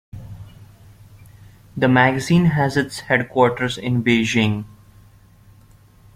The magazine has its headquarters in Beijing.